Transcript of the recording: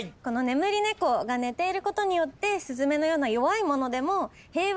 眠り猫が寝ていることによってスズメのような弱いものでも。